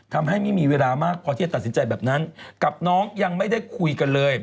ทำให้ไม่มีเวลามากพอที่จะตัดสินใจแบบนั้นกับน้องยังไม่ได้คุยกันเลย